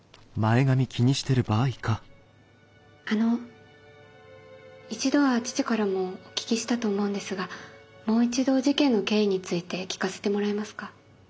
あの一度は父からもお聞きしたと思うんですがもう一度事件の経緯について聞かせてもらえますか？